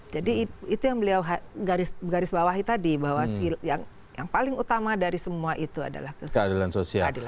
jadi itu yang beliau garis bawahi tadi bahwa yang paling utama dari semua itu adalah keadilan sosial